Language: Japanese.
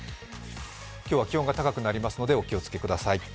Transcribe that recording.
今日は気温が高くなりますのでお気をつけください。